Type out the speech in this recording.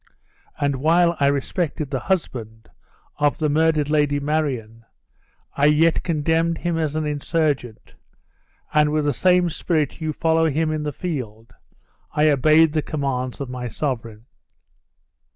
And while I respected the husband of the murdered Lady Marion, I yet condemned him as an insurgent; and with the same spirit you follow him in the field, I obeyed the commands of my sovereign."